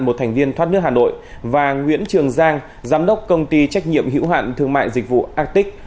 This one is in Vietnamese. một thành viên thoát nước hà nội và nguyễn trường giang giám đốc công ty trách nhiệm hữu hạn thương mại dịch vụ actic